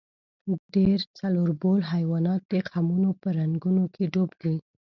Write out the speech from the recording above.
ډېر څلوربول حیوانان د خمونو په رنګونو کې ډوب دي.